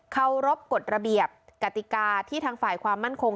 เคารพกฎระเบียบกติกาที่ทางฝ่ายความมั่นคง